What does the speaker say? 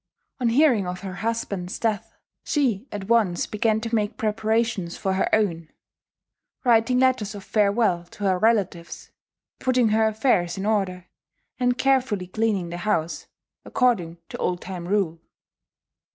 On hearing of her husband's death, she at once began to make preparations for her own, writing letters of farewell to her relatives, putting her affairs in order, and carefully cleaning the house, according to old time rule.